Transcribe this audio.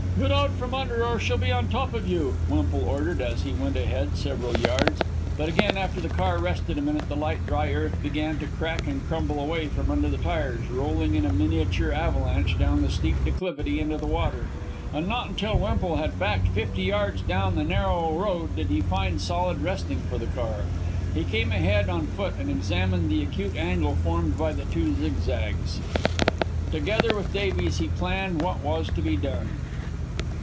"Get out from under, or she'll be on top of you," Wemple ordered, as he went ahead several yards. But again, after the car rested a minute, the light, dry earth began to crack and crumble away from under the tires, rolling in a miniature avalanche down the steep declivity into the water. And not until Wemple had backed fifty yards down the narrow road did he find solid resting for the car. He came ahead on foot and examined the acute angle formed by the two zig zags. Together with Davies he planned what was to be done.